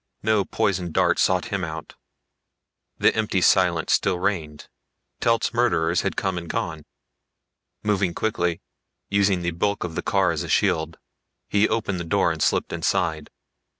No poison dart sought him out; the empty silence still reigned. Telt's murderers had come and gone. Moving quickly, using the bulk of the car as a shield, he opened the door and slipped inside.